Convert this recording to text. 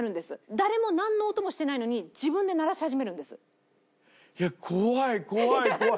誰もなんの音もしてないのに自分で鳴らし始めるんです。